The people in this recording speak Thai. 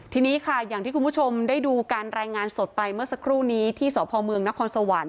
ทีนี้ค่ะอย่างที่คุณผู้ชมได้ดูการรายงานสดไปเมื่อสักครู่นี้ที่สพเมืองนครสวรรค์